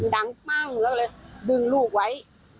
ดังมากเลยดึงลูกไว้